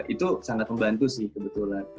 itu sangat membantu sih kebetulan